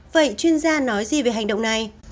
vậy chuyên gia nói gì về hành động này